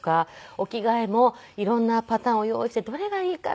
お着替えも色んなパターンを用意してどれがいいかな？